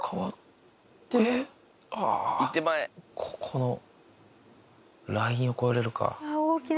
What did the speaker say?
あぁここのラインを越えれるか？